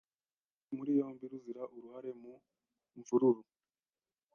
Urubyiruko rwatawe muri yombi ruzira uruhare mu mvururu.